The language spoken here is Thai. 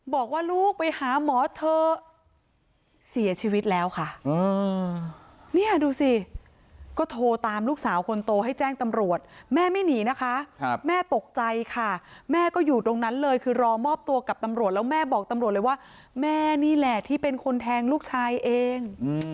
บอกว่าลูกไปหาหมอเถอะเสียชีวิตแล้วค่ะเนี่ยดูสิก็โทรตามลูกสาวคนโตให้แจ้งตำรวจแม่ไม่หนีนะคะแม่ตกใจค่ะแม่ก็อยู่ตรงนั้นเลยคือรอมอบตัวกับตำรวจแล้วแม่บอกตำรวจเลยว่าแม่นี่แหละที่เป็นคนแทงลูกชายเอง